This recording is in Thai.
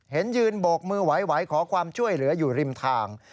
ยืนโบกมือไหวขอความช่วยเหลืออยู่ริมทาง